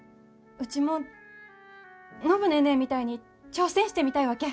うちも暢ネーネーみたいに挑戦してみたいわけ。